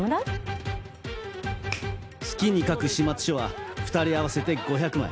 月に書く始末書は２人合わせて５００枚。